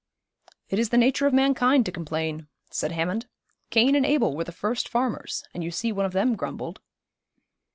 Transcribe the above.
'It is the nature of mankind to complain,' said Hammond. 'Cain and Abel were the first farmers, and you see one of them grumbled.'